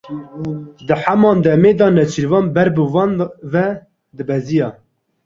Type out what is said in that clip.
Di heman demê de nêçîrvan ber bi wan ve dibeziya.